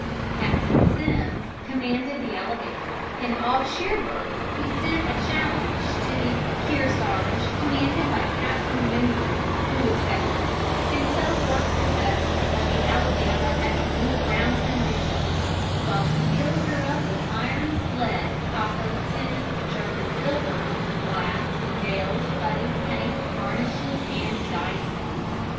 ] Captain Semmes commanded the Alabama, and off Cherbourg he sent a challenge to the Kearsarge, commanded by Captain Winslow, who accepted it, and so worked his vessel that the Alabama had to move round him in a circle, while he filled her up with iron, lead, copper, tin, German silver, glass, nails, putty, paint, varnishes, and dye stuff.